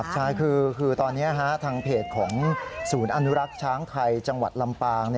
ใช่คือตอนนี้ทางเพจของศูนย์อนุรักษ์ช้างไทยจังหวัดลำปาง